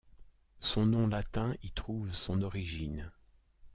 Son nom latin y trouve son origine.